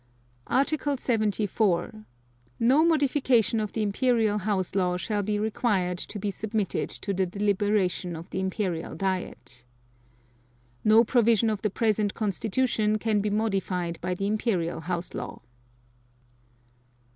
Article 74. No modification of the Imperial House Law shall be required to be submitted to the deliberation of the Imperial Diet. (2) No provision of the present Constitution can be modified by the Imperial House Law.